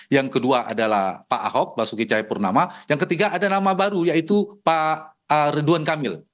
yang kedua adalah pak ahok basuki cahayapurnama yang ketiga ada nama baru yaitu pak ridwan kamil